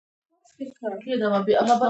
ښوونکي د علم مشعلونه دي.